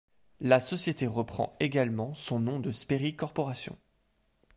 La société reprend également son nom de Sperry Corporation.